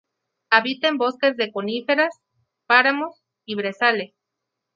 Habita en bosques de coníferas, páramos y brezales.